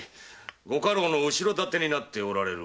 ご家老の後ろ盾になっておられる